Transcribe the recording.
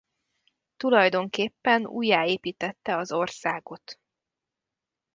Tulajdonképpen újjáépítette az országot.